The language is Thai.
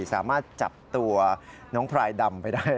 สามารถจับตัวน้องพรายดำไปได้